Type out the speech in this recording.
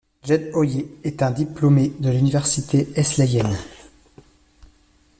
Jed Hoyer est un diplômé de l'université Wesleyenne.